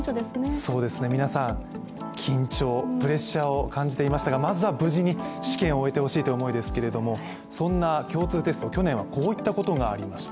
そうですね、皆さん、緊張プレッシャーを感じていましたがまずは無事に試験を終えてほしいという思いですけれどもそんな共通テスト、去年はこういったことがありました。